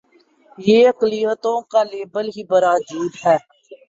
یہ اقلیتوں کا لیبل ہی بڑا عجیب ہے۔